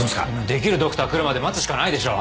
できるドクター来るまで待つしかないでしょ。